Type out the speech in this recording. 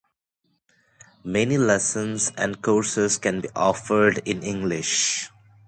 Many lessons and courses can be offered in English.